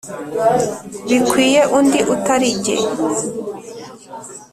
Bikwiye undi utali jye